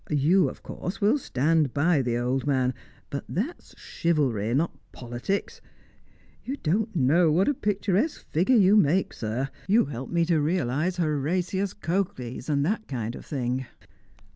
You, of course, will stand by the old man, but that is chivalry, not politics. You don't know what a picturesque figure you make, sir; you help me to realise Horatius Codes, and that kind of thing."